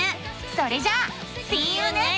それじゃあ。